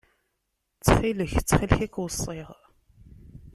Ttxil-k, ttxil-k ad k-weṣṣiɣ.